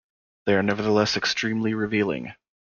They are nevertheless extremely revealing.